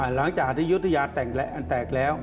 หลังจากที่อยุธยาแตกแล้ว